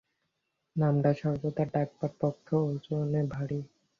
নামটা সর্বদা ডাকবার পক্ষে ওজনে ভারী।